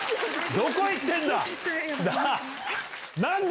どこいってんだ。